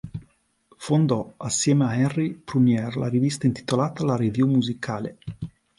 Fondò assieme a Henry Prunière la rivista intitolata "La Revue musicale".